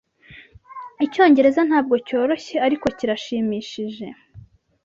Icyongereza ntabwo cyoroshye, ariko kirashimishije.